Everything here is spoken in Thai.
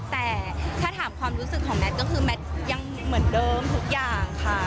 แต่ถ้าถามความรู้สึกของแมทก็คือแมทยังเหมือนเดิมทุกอย่างค่ะ